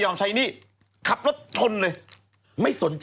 มืดนอนเลย